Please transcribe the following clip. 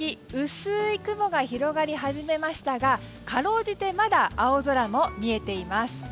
薄い雲が広がり始めましたがかろうじて、まだ青空も見えています。